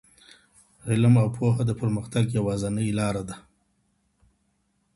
علم او پوهه د پرمختګ يوازينۍ لار ده.